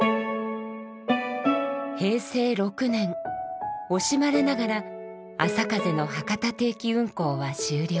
平成６年惜しまれながらあさかぜの博多定期運行は終了。